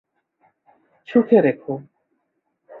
সুখে রেখো।